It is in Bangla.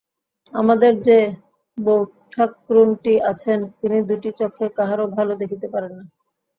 আমাদের যে বৌঠাকরুণটি আছেন, তিনি দুটি চক্ষে কাহারো ভাল দেখিতে পারেন না।